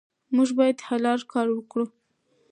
موږ باید حلال کار وکړو.